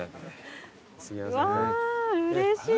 うれしい。